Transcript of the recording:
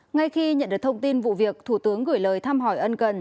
ngay khi nhận được thông tin vụ việc thủ tướng gửi lời thăm hỏi ân cần